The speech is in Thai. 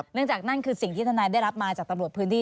นั่นจากนั่นคือสิ่งที่ทนายได้รับมาจากตำรวจพื้นที่